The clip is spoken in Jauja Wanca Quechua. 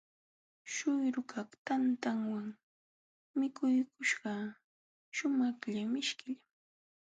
Śhuyrukaq tantantawan mikuykuśhqa shumaqlla mishkillam.